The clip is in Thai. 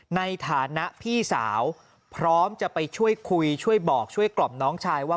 ในฐานะพี่สาวพร้อมจะไปช่วยคุยช่วยบอกช่วยกล่อมน้องชายว่า